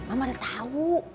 mama udah tau